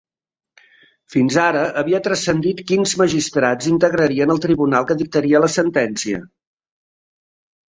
Fins ara, havia transcendit quins magistrats integrarien el tribunal que dictaria la sentència.